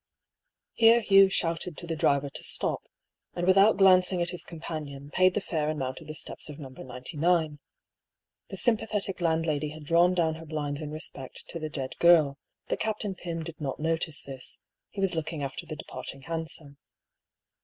Here Hugh shouted to the driver to stop, and with out glancing at his companion, paid the fare and mount ed the steps of No. 99. The sympathetic landlady had drawn down her blinds in respect to the dead girl, but Captain Pym did not notice this, he was looking after the departing hansom.